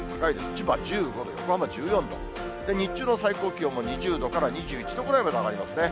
千葉１５度、横浜１４度、日中の最高気温も２０度から２１度ぐらいまで上がりますね。